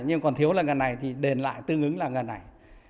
nhưng còn thiếu là ngần này thì đền lại tương ứng là ngần này